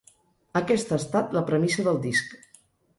Aquesta ha estat la premissa del disc.